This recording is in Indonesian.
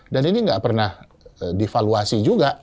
dan ini gak pernah divaluasi juga